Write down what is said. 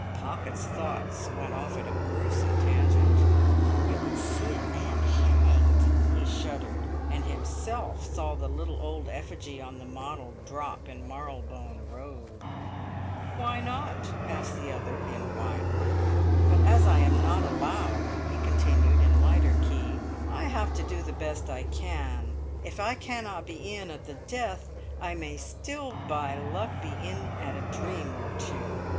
Pocket's thoughts went off at a gruesome tangent. "You could see a man hanged!" he shuddered, and himself saw the little old effigy on the model drop in Marylebone Road. "Why not?" asked the other in wide wonder. "But as I am not allowed," he continued in lighter key, "I have to do the best I can. If I cannot be in at the death, I may still by luck be in at a dream or two!